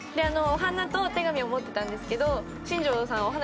お花とお手紙を持ってたんですけど新庄さん